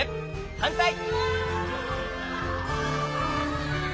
はんたい。